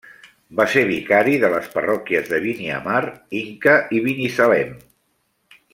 Va ser vicari de les parròquies de Biniamar, Inca i Binissalem.